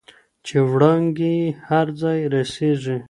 چې وړانګې یې هر ځای رسیږي.